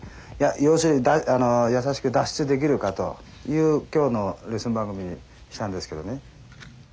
要するにやさしく脱出できるかという今日のレッスン番組にしたんですけどね。